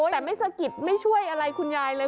แต่ไม่สะกิดไม่ช่วยอะไรคุณยายเลย